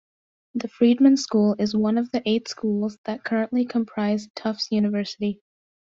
The Friedman School is one of the eight schools that currently comprise Tufts University.